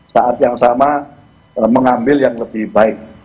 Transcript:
saat yang sama mengambil yang lebih baik